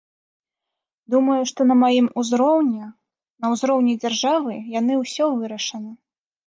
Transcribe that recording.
Думаю, што на маім узроўні, на ўзроўні дзяржавы яны ўсё вырашаны.